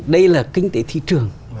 đây là kinh tế thị trường